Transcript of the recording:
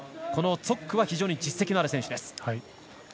このツォックは非常に実績のある選手です。